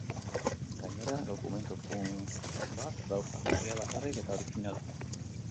Gainera, dokumentu-funts bat dauka, berea bakarrik eta originala.